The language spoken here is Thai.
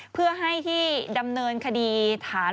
เพื่อให้ที่ดำเนินคดีฐาน